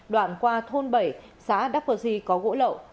đoạn qua thôn bảy xã đắk phơ si có gỗ lậu